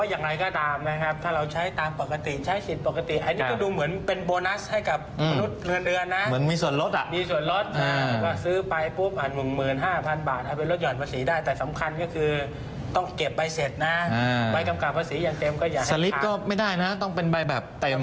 อันนี้จะดูเหมือนเป็นโบนัสให้กับมนุษย์เดือนนะ